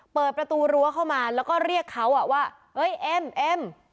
เปิดประตูรั้วเข้ามาแล้วก็เรียกเขาว่าเอ้ยเอ็มเอ็ม